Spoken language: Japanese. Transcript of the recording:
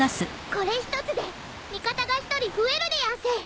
これ一つで味方が一人増えるでやんす。